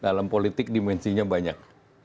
dalam politik dimensinya banyak